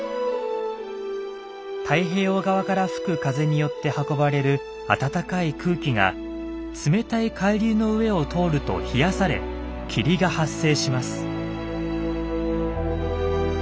太平洋側から吹く風によって運ばれる暖かい空気が冷たい海流の上を通ると冷やされ霧が発生します。